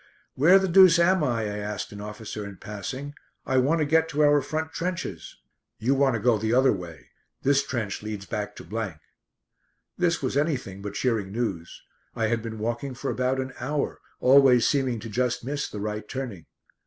"Where the deuce am I?" I asked an officer in passing. "I want to get to our front trenches." "You want to go the other way. This trench leads back to ." This was anything but cheering news. I had been walking for about an hour, always seeming to just miss the right turning.